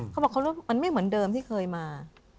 เขาบอกเขามันไม่เหมือนเดิมที่เคยมา